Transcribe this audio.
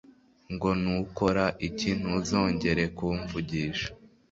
ngo nukora iki ntuzongere kumvugisha,